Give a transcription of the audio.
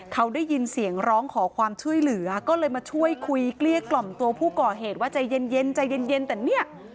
เขาได้ยินเสียงร้องขอความช่วยเหลือก็เลยมาช่วยคุยเกลี้ยกล่อมตัวผู้ก่อเหตุว่าใจเย็นใจเย็นแต่เนี่ย